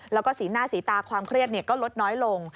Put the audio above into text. แล้วก็สีหน้าสีตาความเครียดก็ลดน้อยลง